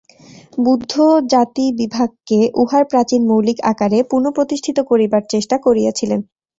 বুদ্ধ জাতিবিভাগকে উহার প্রাচীন মৌলিক আকারে পুনঃপ্রতিষ্ঠিত করিবার চেষ্টা করিয়াছিলেন।